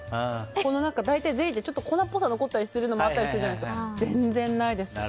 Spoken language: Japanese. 大体ゼリーってちょっと粉っぽさ残るのもあったりするじゃないですか。